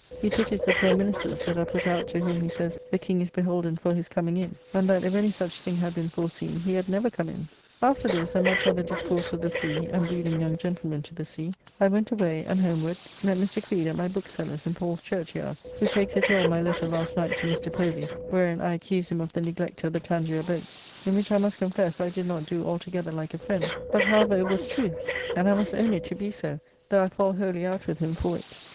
He pities the poor ministers that are put out, to whom, he says, the King is beholden for his coming in, and that if any such thing had been foreseen he had never come in. After this, and much other discourse of the sea, and breeding young gentlemen to the sea, I went away, and homeward, met Mr. Creed at my bookseller's in Paul's Church yard, who takes it ill my letter last night to Mr. Povy, wherein I accuse him of the neglect of the Tangier boats, in which I must confess I did not do altogether like a friend; but however it was truth, and I must own it to be so, though I fall wholly out with him for it.